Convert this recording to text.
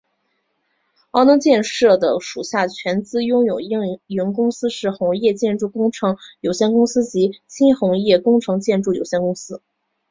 澳能建设的属下全资拥有营运公司是鸿业建筑工程有限公司及新鸿业工程建筑有限公司。